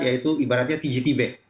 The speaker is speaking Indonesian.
yaitu ibaratnya tgtb